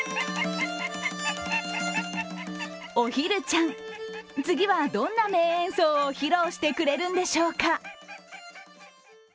おひるちゃん、次はどんな名演奏を披露してくれるんでしょうか？